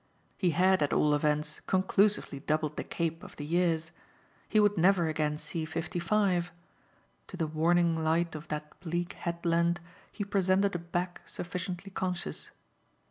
He had at all events conclusively doubled the Cape of the years he would never again see fifty five: to the warning light of that bleak headland he presented a back sufficiently conscious.